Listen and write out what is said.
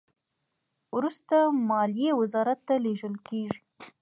وروسته مالیې وزارت ته لیږل کیږي.